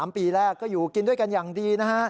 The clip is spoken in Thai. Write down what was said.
๓ปีแรกก็อยู่กินด้วยกันอย่างดีนะฮะ